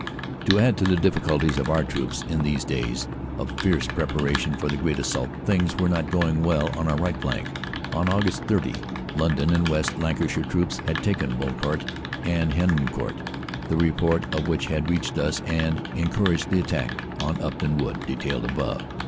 To add to the difficulties of our troops in these days of fierce preparation for the great assault, things were not going well on our right flank. On Aug. 30 London and West Lancashire troops had taken Bullecourt and Hendecourt, the report of which had reached us and encouraged the attack on Upton ISO CANADA S HUNDRED DAYS Wood detailed above.